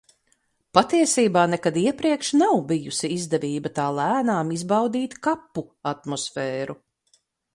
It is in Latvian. Patiesībā nekad iepriekš nav bijusi izdevība tā lēnām izbaudīt kapu atmosfēru.